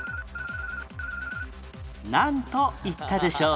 なんと言ったでしょう？